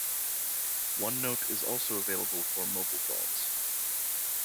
OneNote is also available for mobile phones.